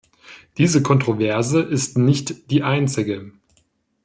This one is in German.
Diese Kontroverse ist nicht die einzige.